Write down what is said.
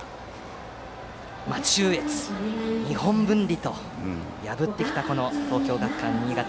中越、日本文理と破ってきた東京学館新潟。